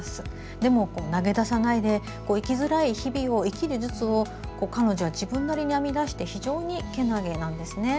でも、投げ出さないで生きづらい日々を生きる術を彼女は自分なりに編み出して非常にけなげなんですね。